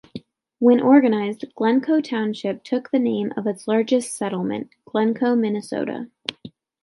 When organized, Glencoe Township took the name of its largest settlement: Glencoe, Minnesota.